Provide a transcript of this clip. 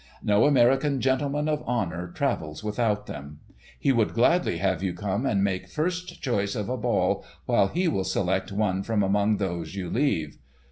No American gentleman of honour travels without them. He would gladly have you come and make first choice of a ball while he will select one from among those you leave.